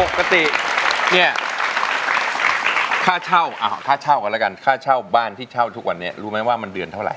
ปกติเนี่ยค่าเช่าค่าเช่ากันแล้วกันค่าเช่าบ้านที่เช่าทุกวันนี้รู้ไหมว่ามันเดือนเท่าไหร่